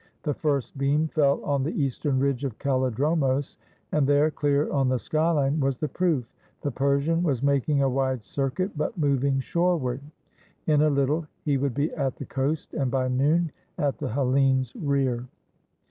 The first beam fell on the eastern ridge of Kallidromos, and there, clear on the sky line, was the proof. The Persian was making a wide circuit, but mov ing shoreward. In a Httle he would be at the coast, and by noon at the Hellenes' rear.